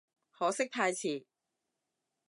可惜太遲